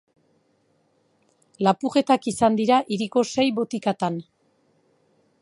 Lapurretak izan dira hiriko sei botikatan.